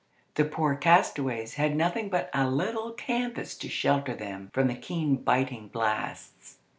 The poor castaways had nothing but a little canvas to shelter them from the keen, biting blasts.